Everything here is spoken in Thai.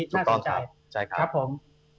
ถ้าสนใจทุกคนครับใช่ครับครับผม